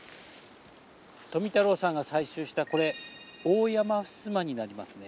富太郎さんが採集したこれオオヤマフスマになりますね。